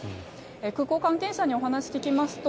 空港関係者にお話を聞きますと